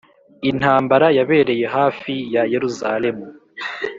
Intambara yabereye hafi ya Yeruzalemu